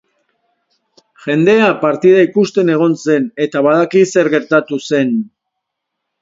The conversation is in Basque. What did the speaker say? Jendea partida ikusten egon zen, eta badaki zer gertatu zen.